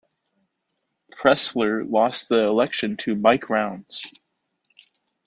Pressler lost the election to Mike Rounds.